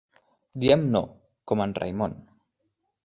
Diem no, com en Raimon.